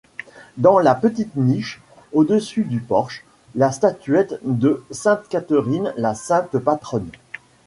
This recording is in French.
Dans la petite niche au-dessus du porche, la statuette de Sainte-Catherine la sainte patronne.